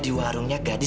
bibodoh banget punya tadi